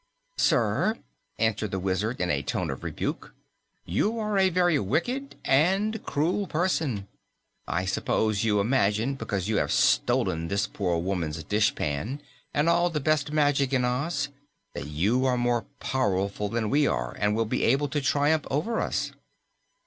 "Sir," answered the Wizard in a tone of rebuke, "you are a very wicked and cruel person. I suppose you imagine, because you have stolen this poor woman's dishpan and all the best magic in Oz, that you are more powerful than we are and will be able to triumph over us."